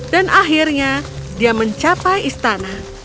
dan akhirnya dia mencapai istana